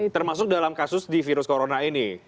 termasuk dalam kasus di virus corona ini